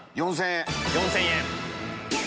４０００円。